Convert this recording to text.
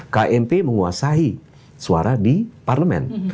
kmp menguasai suara di parlemen